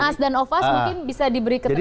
on us dan off us mungkin bisa diberi keterangan